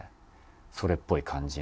それっぽい感じの。